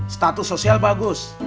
status sosial bagus